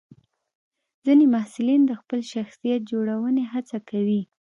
ځینې محصلین د خپل شخصیت جوړونې هڅه کوي.